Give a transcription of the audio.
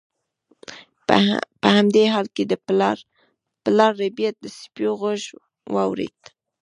په همدې حال کې پلار ربیټ د سپیو غږ واورید